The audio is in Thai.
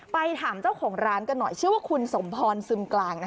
ไปถามเจ้าของร้านกันหน่อยชื่อว่าคุณสมพรซึมกลาง